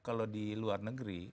kalau di luar negeri